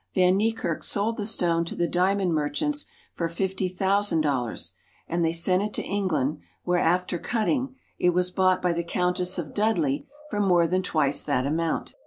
Van Niekerk Fsold the stone to the diamond merchants for fifty thousand I dollars, and they sent it to England, where, after cutting, I it was bought by the Countess of Dudley for more than \ twice that amount.